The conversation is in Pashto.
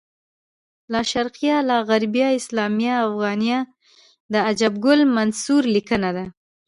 لاشرقیه لاغربیه اسلامیه افغانیه د عجب ګل منصور لیکنه ده